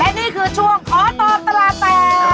นี่คือช่วงขอตอบตลาดแตก